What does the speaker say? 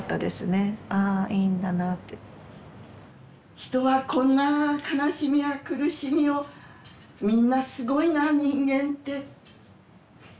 人はこんな悲しみや苦しみをみんなすごいな人間ってすごいなって